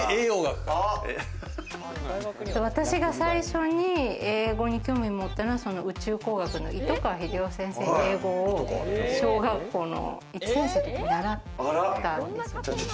私が最初に英語に興味を持ったのは、宇宙工学の糸川英夫先生の英語を小学校の１年生の時に習ったんですよね。